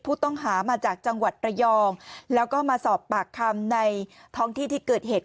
ผู้ต้องหามาจากจังหวัดระยองแล้วก็มาสอบปากคำในท้องที่ที่เกิดเหตุ